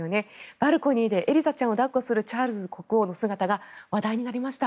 バルコニーでエリザちゃんを抱っこするチャールズ国王の姿が話題になりました。